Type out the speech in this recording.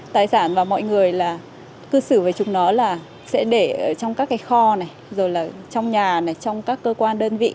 tài sản và mọi người là cư xử với chúng nó là sẽ để trong các cái kho này rồi là trong nhà này trong các cơ quan đơn vị